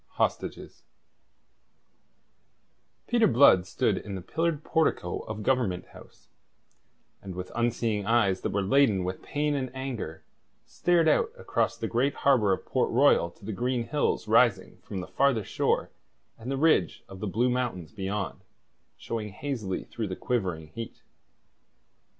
HOSTAGES Peter Blood stood in the pillared portico of Government House, and with unseeing eyes that were laden with pain and anger, stared out across the great harbour of Port Royal to the green hills rising from the farther shore and the ridge of the Blue Mountains beyond, showing hazily through the quivering heat.